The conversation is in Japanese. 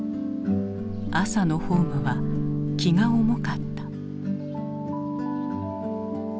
朝のホームは気が重かった。